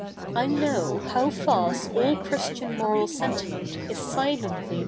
^^ I k7iow how fast all Christia7i mo7'al senti7ne7it is silently CH.